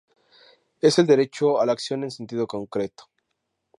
Es el derecho a la acción en sentido concreto.